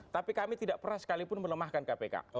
tapi kami tidak pernah sekalipun melemahkan kpk